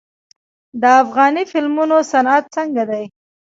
د افغاني فلمونو صنعت څنګه دی؟